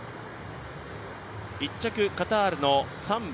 １着、カタールのサンバ。